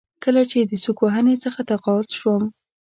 کله چې د سوک وهنې څخه تقاعد شوم.